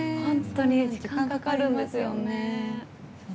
時間かかるんですよね。